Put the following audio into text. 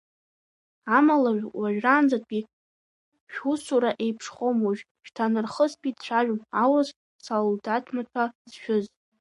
Амала уажәраанӡатәи шәусура еиԥшхом уажә-шьҭарнахыстәи, дцәажәон аурыс салдаҭмаҭәа зшәыз.